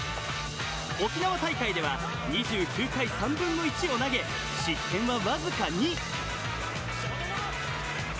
沖縄大会では２９回３分の１を投げ失点は僅か２！